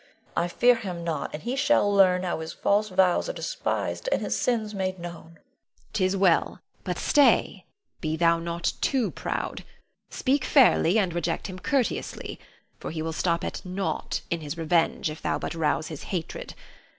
I fear him not, and he shall learn how his false vows are despised, and his sins made known. Norna. 'Tis well; but stay, be thou not too proud. Speak fairly, and reject him courteously; for he will stop at nought in his revenge if thou but rouse his hatred.